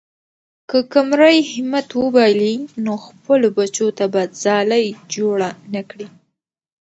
که قمرۍ همت وبایلي، نو خپلو بچو ته به ځالۍ جوړه نه کړي.